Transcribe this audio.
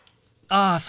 ああ